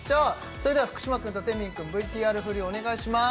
それでは福嶌くんとテミンくんＶＴＲフリお願いします